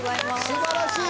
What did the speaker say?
素晴らしい！